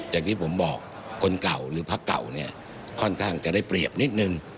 อย่างที่ผมบอกคนเก่าหรือพักเก่าเนี่ยค่อนข้างจะได้เปรียบนิดนึง